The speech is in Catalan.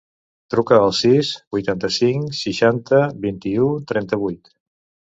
Truca al sis, vuitanta-cinc, seixanta, vint-i-u, trenta-vuit.